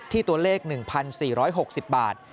ตัวเลข๑๔๖๐บาท